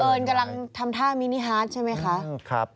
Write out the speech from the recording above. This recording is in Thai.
กำลังทำท่ามินิฮาร์ดใช่ไหมคะ